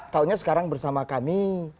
taunya sekarang bersama kami